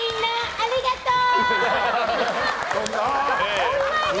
ありがとうー！